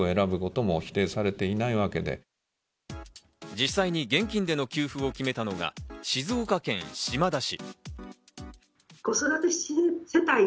実際に現金での給付を決めたのが静岡県島田市。